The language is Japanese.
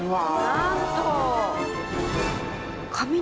なんと。